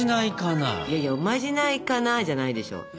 いやいや「おまじないかな？」じゃないでしょ。